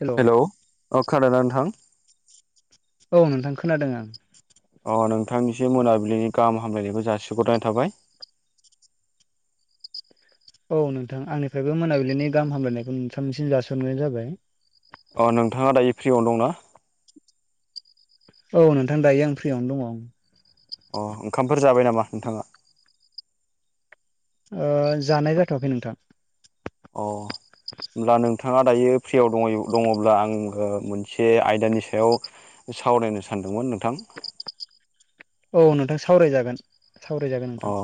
Hello hello अ खोनादों ना नोंथां? औ नोंथां खोनादों आं। अ नोंथांनिसिम मोनाबिलिनि गाहाम हामलायनायखौ जासिहरनाय थाबाय। औ नोंथां आंनिफ्रायबो मोनाबिलिनि गाहाम हामब्लायनायखौ नोंथांनिसिम जासिहरनाय जाबाय। अ नोंथाङा दायो फ्रियावनो दंना? औ नोंथां दायो आं फ्रियावनो दङ। अ ओंखामफोर जाबाय नामा नोंथाङा? ओं जानाय जाथ'वाखै नोंथां। अ। होमब्ला नोंथाङा दायो फ्रियाव दङ' दङ'ब्ला आं मोनसे आयदानि सायाव सावरायनो सानदोंमोन नोंथां। औ नोंथां सावरायजागोन सावरायजागोन नोंथां। अ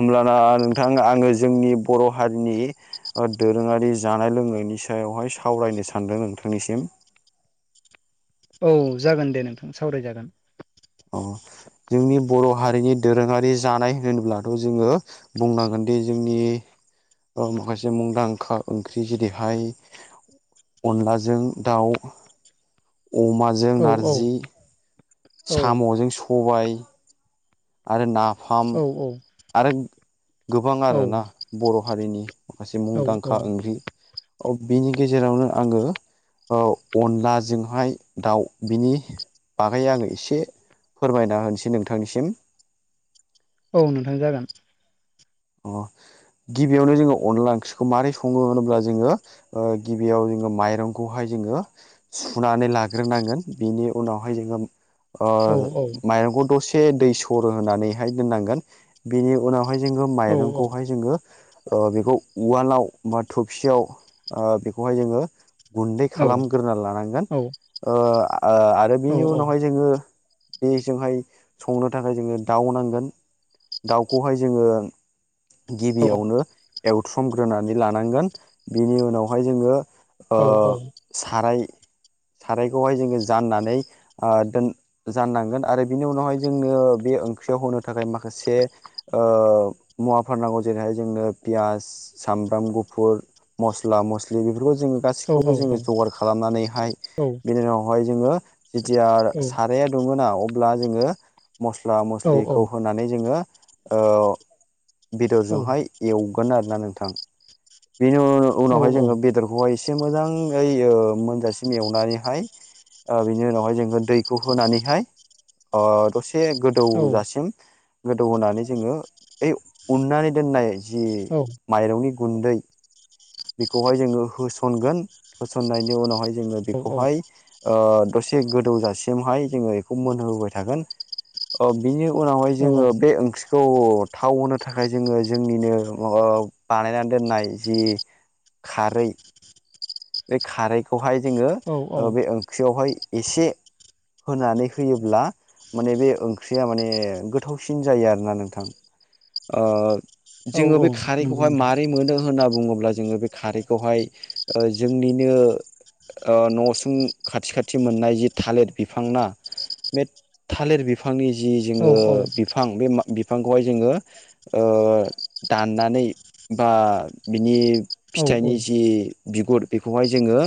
होमब्लाना नोंथां आङो जोंनि बर' हारिनि ओ दोरोङारि जानाय लोंनायनि सायावहाय सावरायनो सानदों नोंथांनिसिम। औ जागोन दे नोंथां सावरायजागोन। अ जोंनि बर' हारिनि दोरोङारि जानाय होनोब्लाथ' जोङो बुंनांगोनदि जोंनि माखासे मुंदांखा ओंख्रि जेरैहाय अनलाजों दाउ, अमाजों औ औ नारजि, औ साम'जों सबाय, आरो नाफाम औ औ आरो गोबां औ आरोना बर' हारिनि माखासे औ मुंदांखा ओंख्रि अ बिनि गेजेरावनो आङो औ अनलाजोंहाय दाउ बिनि बागै आङो एसे फोरमायना होनोसै नोंथांनिसिम। औ नोंथां जागोन। अ गिबियावनो जोङो अनला ओंख्रिखौ माबारै सङो होनोब्ला जोङो ओं गिबियाव जोङो माइरंखौहाय जोङो सुनानै लाग्रोनांगोन बिनि उनावहाय जोङो औ औ ओं माइरंखौ दसे दै सर' होनानैहाय दोननांगोन बेनि उनावहाय जों औ माइरंखौहाय जोङो ओं बेखौ उवालाव बा थफसियाव ओं बेखौहाय जोङो गुन्दै औ खालामग्रोना लानांगोन औ ओं आ आरो औ बिनि उनावहाय जोङो बेजोंहाय संनो थाखाय जोङो दाउ नांगोन दाउखौहाय जोङो गिबियावनो एवथ्रमग्रोनानै लानांगोन बिनि उनावहाय जोङो औ ओं साराय सारायखौहाय जोङो जाननानै ओं दोन जाननांगोन आरो बिनि उनावहाय जोङो बे ओंख्रियाव होनो थाखाय माखासे ओं मुवाफोर नांगौ जेरैहाय जोंनो पियास सामब्राम गुफुर, मस्ला मस्लि, बेफोरखौ जोङो औ औ गासिखौबो जोङो जगार खालामनानैहाय बिनि उनावहाय जोङो जिथिया साराया दुङोना अब्ला जोङो मस्ला औ मस्लिखौ होनानै जोङो ओ बेदरजोंहाय एवगोन आरोना नोंथां। बेनि उनावहाय जोङो बेदरखौहाय एसे मोजाङै मोनजासिम एवनानैहाय ओ बिनि उनावहाय जोङो दैखौ होनानैहाय ओ दसे एसे गोदौजासिम गोदौ होनानै जोङो ऐ उननानै दोननाय जि माइरंनि गुन्दै बेखौहाय जोङो होसनगोन होसननायनि उनावहाय जोङो बेखौहाय ओ दसे गोदौजासिमहाय जोङो बेखौ मोनहोबाय थागोन ओ बेनि उ उनावहाय जोङो बे ओंख्रि खौ थाव होनो थाखाय जोङो जोंनिनो ओ बानायनानै दोननाय जि खारै बे खारैखौहाय जोङो औ औ बे ओंख्रियावहाय एसे होनानै होयोब्ला माने बे ओंख्रिया माने गोथावसिन जायो आरोना नोंथां ओ औ जोङो औ बे नंगौ खारैखौहाय नोंथां माबारै मोनो होनना बुङोब्ला जोङो बे खारैखौहाय जोंनिनो न'सुं खाथि खाथि मोननाय जि थालिर बिफां ना बे थालिर बिफांनि जि औ जोङो औ बिफां बे बिफांखौहाय जोङो दाननानै बा बिनि औ फिथाइनि जि बिगुर बेखौहाय जोङो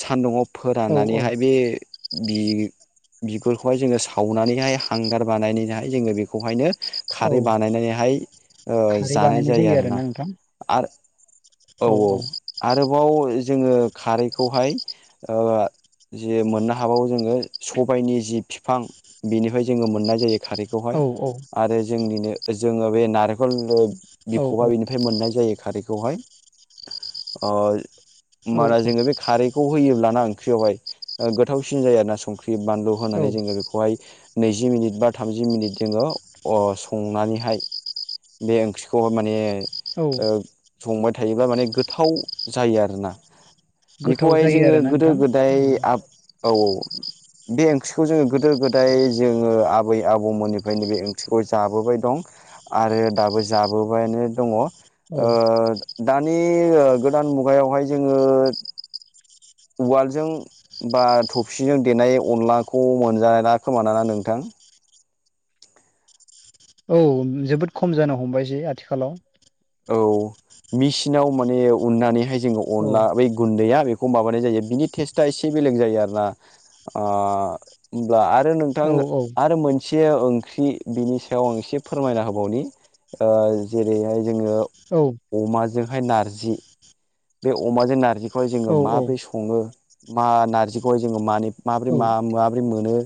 सान्दुंआव औ औ फोराननानैहाय बे बि बिगुरखौहाय जोङो सावनानैहाय हांगार बानायनानैहाय जोङो बेखौहायनो औ खारै बानायनानैहाय खारै जानाय बानायनाय जायो आरोना नोंथां आरो औ औ आरोबाव जोङो खारैखौहाय ओ जे मोननो हाबावो जोङो सबायनि जि बिफां बेनिफ्राय जोङो मोननाय जायो। औ खारैखौहाय आरो जोंनिनो जोङो बे नारेंखल औ बिखबा बेनिफ्राय मोननाय जायो खारैखौहाय ओ औ होनबाना जोङो बे खारै खौ होयोब्लाना ओंख्रियावहाय गोथावसिन जायो आरो ना संख्रि बानलु होनानै औ जोङो बे बेखौहाय नैजि मिनिट बा थामजि मिनिट जोङो संनानैहाय बे ओंख्रिखौहाय माने औ संबाय थायोब्ला माने गोथाव जायो आरोना। गोथाव बेखौहाय जायो जोङो आरोना गोदो नोंथां गोदाय आब औ। बे ओंख्रिखौ जोङो गोदो गोदाय जोङो आबै आबौमोननिफ्रायनो बे ओंख्रिखौ जाबोबाय दं। आरो दाबो जाबोबायानो दङ। औ ओ दानि ओ गोदान मुगायावहाय जोङो उवालजों बा थफसिजों देनाय अनलाखौ मोनजाला खोमा नाना नोंथां? औ जोबोद खम जानो हमबायसै आथिखालाव। औ मेचिनाव माने उननानैहाय जोङो औ अनला बै गुन्दैया बेखौ माबानाय जायो बिनि टेस्टआ एसे बेलेग जायो आरोना। ओ होनब्ला आरो नोंथां औ औ आरो मोन से ओंख्रि बिनि सायाव आं एसे फोरमायना होबावनि ओ जेरैहाय जोङो औ अमाजोंहाय नारजि बे अमाजों नारजिखौहाय जोङो औ माबोरै सङो मा नारजिखौहाय जोङो मानि माबोरै औ मा-माबोरै मोनो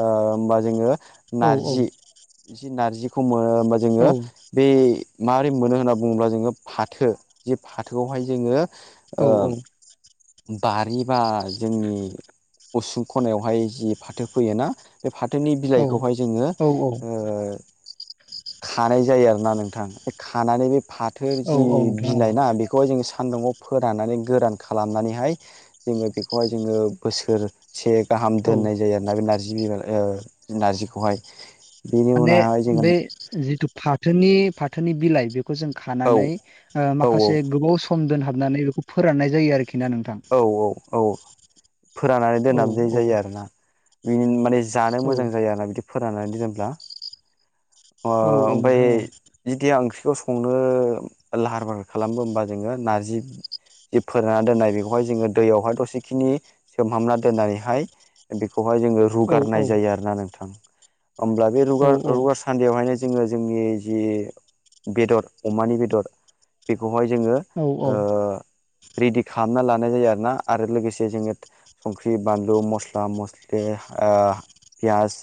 होमबा जोङो औ नारजि एसे नारजिखौ मोनो होमबा जोङो बे माबोरै मोनो होनना बुङोब्ला जोङो फाथो जे फाथोखौहाय जोङो ओं बारि बा जोंनि उसुं खनायावहाय जि फाथो फोयोना बे फाथोनि बिलाइखौहाय जोङो औ औ ओ खानाय जायो आरोना नोंथां। बे खानानै बे फाथो जि नोंथां बिलाइ औ ना बे बेखौहाय जोङो सान्दुंआव फोराननानै गोरान खालामनानैहाय जोङो बेखौहाय जोङो बोसोर से गाहाम औ दोननाय जायो आरोना बे नार्जि बिलाय ओम नार्जिखौहाय। बेनि माने उनावहाय जोङो बे जिथु फाथोनि फाथोनि बिलाइ बेखौ जों औ खानानै औ औ माखासे ओ गोबाव स म दोनहाबनानै बेखौ फोराननाय जायो आरोखि ना नोंथां। औ औ औ फोराननानै औ दोननानै औ जायो आरोना। बिनि माने जानो औ मोजां जायो आरोना बिदि फोराननानै दोब्ला। अ औ औ ओमफाय नोंथां औ जुदि आं ओंख्रिखौ संनो लाहार फाहार खालामो होमबा जोङो नार्जि जि फोरानना दोननाय बेखौहाय जोङो दैयावहाय दसेखिनि सोमहामना दोननानैहाय बेखौहाय जोङो रुगारनाय जायो आरोना नोंथां। होमब्ला बेुु औ रुगार रुगारसा न्दियावहायनो जोङो जोंनि जि बेदर अमानि बेदर बेखौहाय जोङो औ औ। ओ रेडि खालामना लानाय जायो आरोना आरो लोगोसे जोङो संख्रि, बानलु, मस्ला मस्लि, पियास,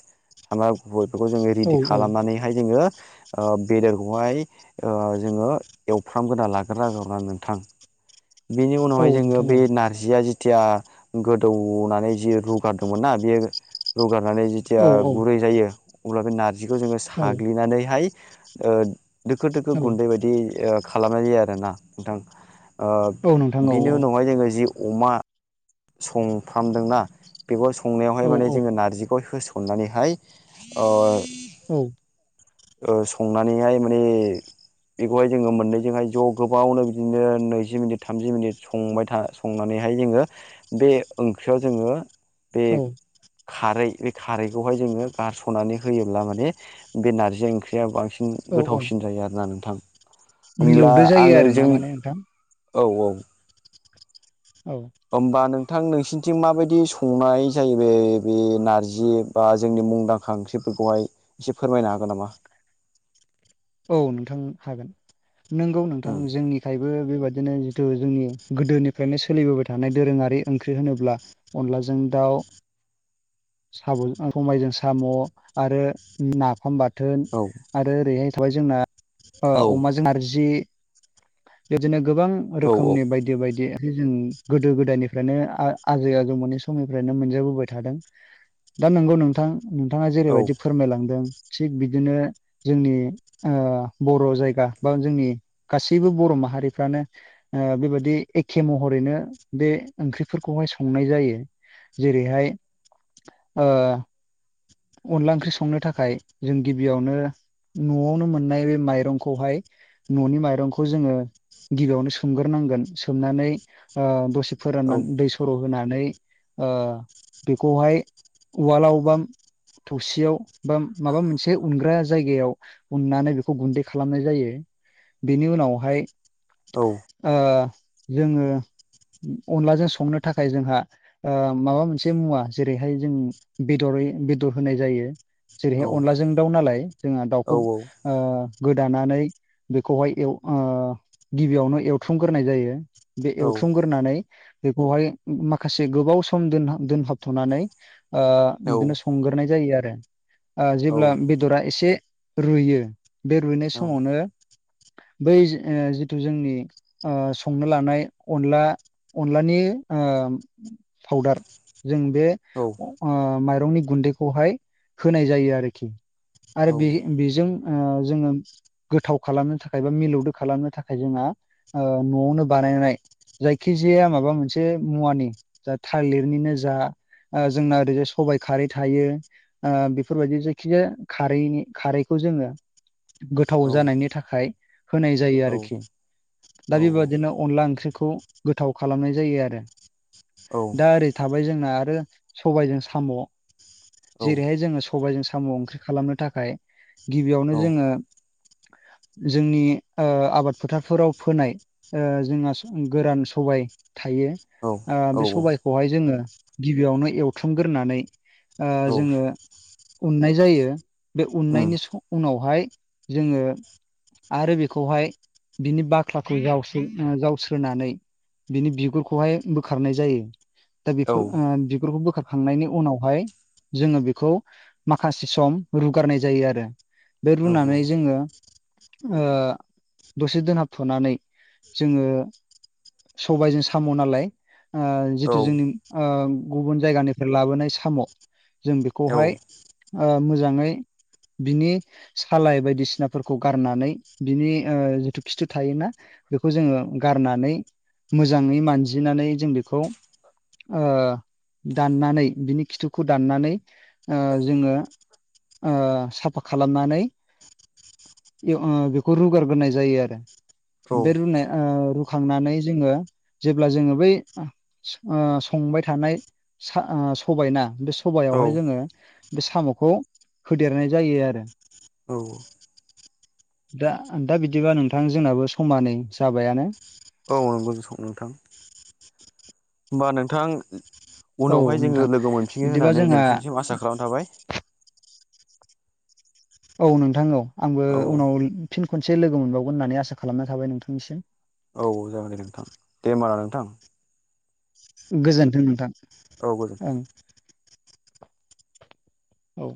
सामब्राम ग-गुफुर बेफोरखौ जोङो औ रेडि खालामनानैहाय जोङो ओ बेदरखौहाय ओ जोङो एवफ्रामगोना लागोर नागौ आरोना नोंथां। बिनि औ उनावहाय जोङो नोंथां औ बे नार्जिया जि थिया गोदौनानै जि रुगारदोंमोन ना बे रुगारनानै जि थिया औ गुरै जायो अब्ला बे नार्जिखौ जोङो औ साग्लिनानैहाय ओ दोखो दोखो औ गुन्दै बायदि ओ खालामनाय जायो आरोना नोंथां। ओ औ नोंथां औ बिनि औ उनावहाय जोङो जि अमा संफ्रामदोंना बेखौ संनायावहाय औ माने जोङो नार्जिखौ होस ननानैहाय ओ औ। ओ संनानैहाय माने बेखौहाय जोङो मोननैजोंहाय ज' गोबावनो बिदिनो नैजि मिनिट थामजि मिनिट संबाय था संनानैहाय जोङो बे ओंख्रियाव जोङो बे औ खारै बे खारैखौहाय जोङो गारस'नानै होयोब्ला माने बे नार्जि ओंख्रिया बांसिन औ गोथावसिन जायो आरोना नोंथां। होमब्ला मिलौदो जायो आङो जों आरोना माने नोंथां औ औ। औ। होमबा नोंथां नोंसिनिथिं माबायदि संनाय जायो बे बे नारजि बा जोंनि मुंदांखा ओंख्रिफोरखौहाय एसे फोरमायनो हागोन नामा। औ नोंथां हागोन नोंगौ नोंथां उम जोंनिफ्रायबो बेबा बिदिनो जिथु जोंनि गोदोनिफ्रायनो सोलिबोबाय थानाय दोरोङारि ओंख्रि होनोब्ला अनलाजों दाउ साम' खाइजों साम' आरो नाफाम बाथोन औ आरो ओरैहाय थाबाय जोंना ओ औ अमाजों नारजि बिदिनो गोबां औ रोखोमनि बायदि बायदि [unintelligible] जों गोदो गोदायनिफ्रायनो आ-आजै आजौमोनै समनिफ्रायनो मोनजाबोबाय थादों। दा नोंगौ नोंथां नोंथाङा औ जेरैबायदि फोरमायलांदों थिग बिदिनो जोंनि ओ बर' जायगा बा जोंनि गासैबो बर' माहारिफ्रानो ओ बेबादि एखे महरैनो बे ओंख्रिफोरखौहाय संनाय जायो। जेरैहाय ओ अनला ओंख्रि संनो थाखाय जों गिबियावनो न'आवनो मोननाय बे माइरंखौहाय न'नि माइरंखौ जोङो गिबियावनो सोमग्रोनांगोन सोमनानै ओ दसे औ फोराननानै दै सर' होनानै ओ बेखौहाय उवालाव बा थौसियाव बा माबा मोनसे उनग्रा जायगायाव उननानै बेखौ गुन्दै खालामनाय जायो बेनि उनावहाय औ ओ जोङो अनलाजों संनो थाखाय जोंहा ओ माबा मोनसे से मुवा जेरैहाय जों बेदरै बेदर होनाय जायो। औ जेरैहाय अनलाजों दाउ नालाय जोंहा औ दाउखौ ओ गोदानानै बेखौहाय एव ओ गिबियावनो एवथ्रुमग्रोनाय जायो। बे औ एवथ्रुमग्रोनानै बेखौहाय माखासे गोबाव सम दोनहाब दोनहाबथ'नानै ओ बिदिनो संग्रोनाय जायो आरो ओ जेब्ला बेदरा एसे रुयो बे रुइनाय औ समावनो बै जि ओ जिथु जोंनि ओ संनो लानाय अनला अनलानि ओ फावदार जों बे औ ओ माइरंनि गुन्दैखौहाय होनाय जायो आरोखि आरो बे बेजों ओ जोङो गोथाव खालामनो थाखाय बा मिलौदो खालामनो थाखाय जोंहा ओ न'आवनो बानायनाय जायखिजाया माबा मोनसे मुवानि दा थालिरनिनो जा ओ जोंना ओरैजाय सबायाइ खारै थायो ओ बेफोरबायदि जायखिजाया खारैनि खारैखौ जोङो गोथाव जानायनि थाखाय होनाय जायो उम आरोखि दा औ बेबादिनो अनला ओंख्रिखौ गोथाव खालामनाय जायो आरो दा ओरै थाबाय जोंहा आरो सबायजों साम' जेरैहाय जोङो सबायाइजों साम' ओंख्रि खालामनो थाखाय गिबियावनो जोङो [unintelligible] जोंनि ओ आबाद फोथारफोराव फोनाय ओ जोंहा गोरान सबाय थायो ओ बे सबायखौहाय जोङो गिबियावनो एवथ्रुमगोरनानै ओ जोङो उननाय जायो बे उननायनि उनावहाय जोङो आरो बेखौहाय बिनि बाख्लाखौ जावस्रो ओ जावस्रोनानै बिनि बिगुरखौहाय बोखारनाय जायो दा औ बेफोर ओ बिगुरखौ बोखार खांनायनि उनावहाय जोङो बेखौ माखासे सम रुगारनाय जायो आरो बे औ रुनानै जोङो। ओ दसे दोनहाबथनानै जोङो सबायजों साम' नालाय ओ जिथु औ जोंनि ओ गुबुन जायगानिफ्राय लाबोनाय साम' जों बेखौहाय ओ मोजाङै बिनि सालाय बायदिसिनाफोरखौ गारनानै बिनि ओ जिथु खिथु थायोना बेखौ जोङो गारनानै मोजाङै मानजिनानै जों बेखौ ओ दाननानै बिनि खिथुखौ दाननानै ओ जोङो ओ साफा खालामनानै एव ओ बेखौ रुगारगोरनाय जायो आरो बे रुनाय ओ रुखांनानै जोङो जेब्ला जोङो बै ओ संबाय थानाय सबायना बे औ सबायावहाय औ जोङो बे साम'खौ होदेरनाय जायो आरो औ दा दा बिदिबा नोंथां जोंनाबो समा नै जाबायानो औ नंगौ [unintelligible] नोंथां होमबा नोंथां औ उनावहाय नोंथां जोङो लोगो मोनफिनो बिदिबा होननानै जोंहा नोंथांनिसिम आसा खालामना थाबाय औ नोंथां औ आंबो औ उनाव फिन खनसे लोगो मोनबावगोन होननानै आसा खालामना थाबाय नोंथांनिसिम औ जागोन दे नोंथां दे होमब ना नोंथां गोजोनथों नोंथां औ गोजोन ओं औ